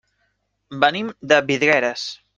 Venim de Vidreres.